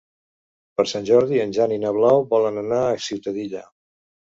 Per Sant Jordi en Jan i na Blau volen anar a Ciutadilla.